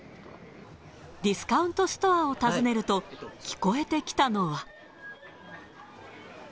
ディスカウントストアを訪ねると、聞こえてきたのは。